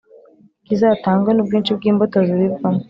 kizatangwe n ubwinshi bw imbuto zibibwamo